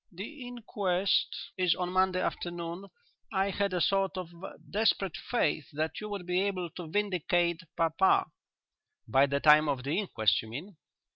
"The inquest is on Monday afternoon.... I had a sort of desperate faith that you would be able to vindicate papa." "By the time of the inquest, you mean?"